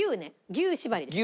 牛縛りですね？